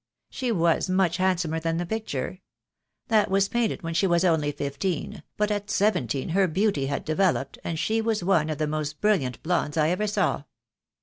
"She was much handsomer than the picture. That was painted when she was only fifteen, but at seventeen her beauty had developed, and she was one of the most brilliant blondes I ever saw.